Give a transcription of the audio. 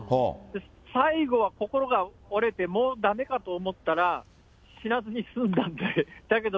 最後、心が折れて、もうだめかと思ったら、死なずに済んだんで。